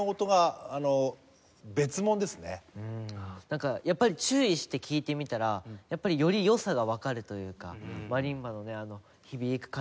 なんかやっぱり注意して聴いてみたらやっぱりより良さがわかるというかマリンバのねあの響く感じもいいし。